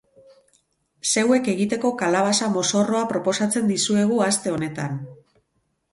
Zeuek egiteko kalabaza mozorroa proposatzen dizuegu aste honetan.